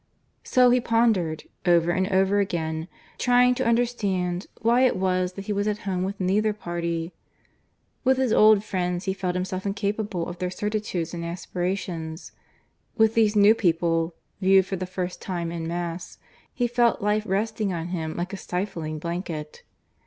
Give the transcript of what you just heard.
So he pondered, over and over again, trying to understand why it was that he was at home with neither party. With his old friends he felt himself incapable of their certitudes and aspirations; with these new people, viewed for the first time en masse, he felt life resting on him like a stifling blanket.